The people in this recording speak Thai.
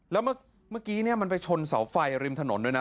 แล้วเมื่อกี้มันไปชนเสาไฟริมถนนด้วยนะ